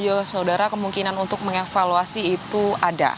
ya saudara kemungkinan untuk mengevaluasi itu ada